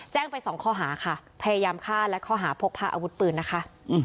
แจ้งไปสองข้อหาค่ะพยายามฆ่าและข้อหาพกพาอาวุธปืนนะคะ